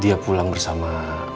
dia pulang bersama